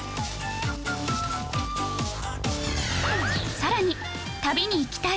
さらに旅に行きたい